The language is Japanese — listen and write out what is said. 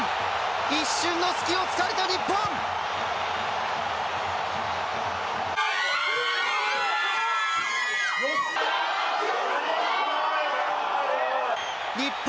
一瞬の隙を突かれた日本。